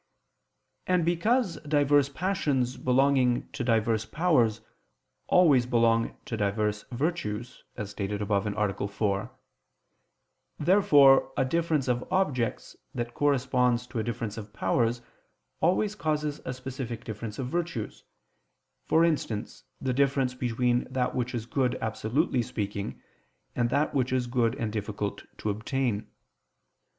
And because diverse passions belonging to diverse powers, always belong to diverse virtues, as stated above (A. 4); therefore a difference of objects that corresponds to a difference of powers always causes a specific difference of virtues for instance the difference between that which is good absolutely speaking, and that which is good and difficult to obtain.